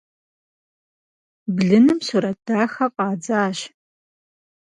Блыным сурэт дахэ фӀадзащ.